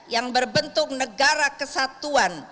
yang berbentuk negara kesatuan